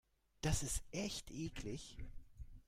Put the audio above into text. Das ist echt eklig.